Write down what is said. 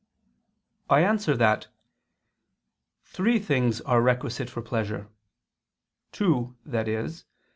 I answer that, Three things are requisite for pleasure; two, i.e.